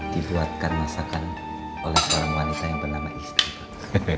dibuatkan masakan oleh seorang wanita yang bernama istiqlal